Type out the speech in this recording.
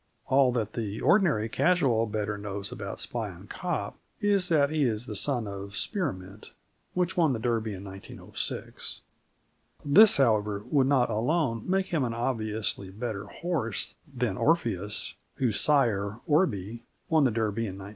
All that the ordinary casual better knows about Spion Kop is that he is the son of Spearmint, which won the Derby in 1906. This, however, would not alone make him an obviously better horse than Orpheus, whose sire, Orby, won the Derby in 1907.